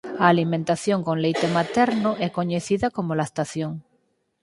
A alimentación con leite materno é coñecida como lactación.